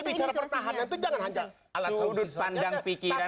saya katakan seperti itu cara pertahanan itu jangan hanya alat seudut pandang pikiran